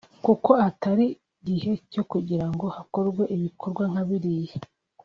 kuko atari gihe cyo kugira ngo hakorwe ibikorwa nka biriya